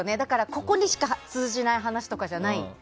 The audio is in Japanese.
ここにしか通じない話じゃない。